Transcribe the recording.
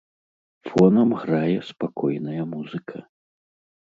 Фонам грае спакойная музыка.